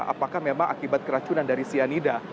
apakah memang akibat keracunan dari cyanida